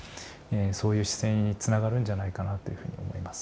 そういう姿勢につながるんじゃないかなというふうに思います。